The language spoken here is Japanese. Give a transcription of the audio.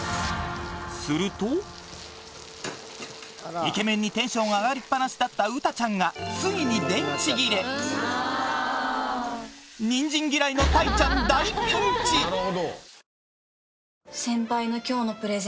するとイケメンにテンションが上がりっぱなしだったうたちゃんがついに電池切れニンジン嫌いの頭痛にバファリン頭痛い